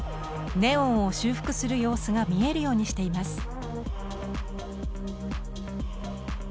ネオンを修復する様子が見えるようにしています。